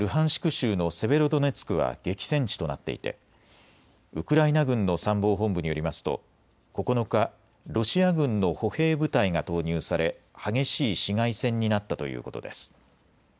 州のセベロドネツクは激戦地となっていてウクライナ軍の参謀本部によりますと９日、ロシア軍の歩兵部隊が投入され激しい市街戦になったということです。